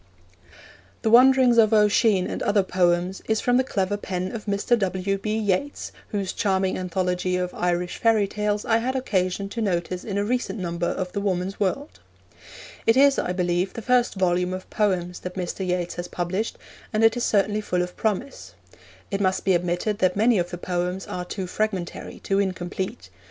The Wanderings of Oisin and Other Poems is from the clever pen of Mr. W. B. Yeats, whose charming anthology of Irish fairy tales I had occasion to notice in a recent number of the Woman's World. It is, I believe, the first volume of poems that Mr. Yeats has published, and it is certainly full of promise. It must be admitted that many of the poems are too fragmentary, too incomplete.